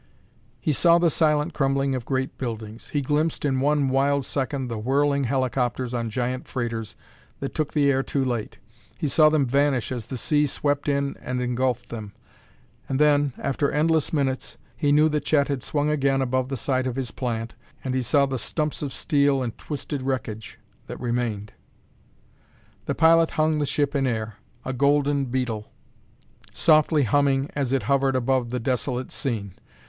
He saw the silent crumbling of great buildings; he glimpsed in one wild second the whirling helicopters on giant freighters that took the air too late; he saw them vanish as the sea swept in and engulfed them. And then, after endless minutes, he knew that Chet had swung again above the site of his plant, and he saw the stumps of steel and twisted wreckage that remained.... The pilot hung the ship in air a golden beetle, softly humming as it hovered above the desolate scene.